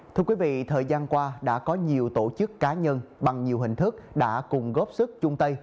thưa quý vị thời gian qua đã có nhiều tổ chức cá nhân bằng nhiều hình thức đã cùng góp sức chung tay